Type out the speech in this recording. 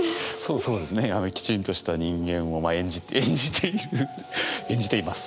きちんとした人間をまあ演じて演じている演じています。